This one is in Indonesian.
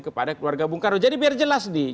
kepada keluarga bung karo jadi biar jelas nih